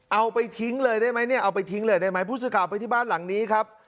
เอาไปทิ้งเลยได้ไหมเนี่ยเอาไปทิ้งเลยได้ไหมผู้สื่อข่าวไปที่บ้านหลังนี้ครับ